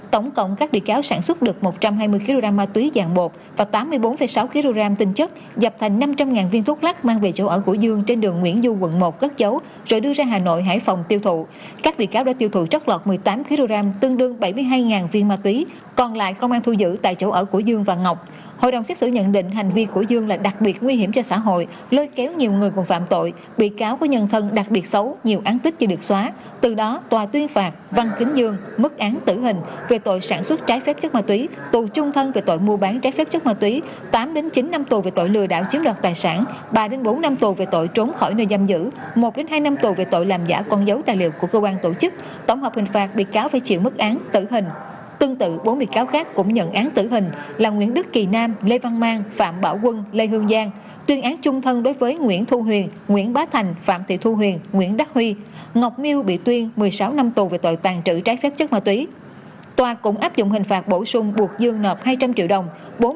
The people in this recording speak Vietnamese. tòa cũng áp dụng hình phạt bổ sung buộc dương nợ hai trăm linh triệu đồng bốn bị cáo lệnh án tử hình bị buộc nợ phạt mỗi người một trăm linh triệu đồng